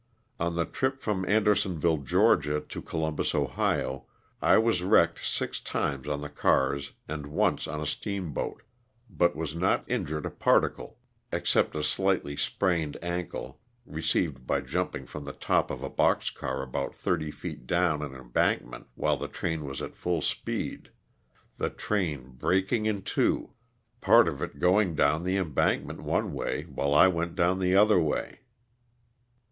On the trip from Andersonville, Ga., to Columbus, Ohio, I was wrecked six times on the cars and once on a steamboat, but was not injured a particle except a slightly sprained ankle received by jumping from the top of a box car about thirty feet down an embankment while the train was at full speed, the train breaking in two, part of it going LOSS OF THE SULTAITA. 247 down the embankment one way while I went down the other way.